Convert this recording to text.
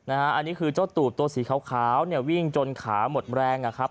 อันนี้คือเจ้าตูดตัวสีขาวเนี่ยวิ่งจนขาหมดแรงนะครับ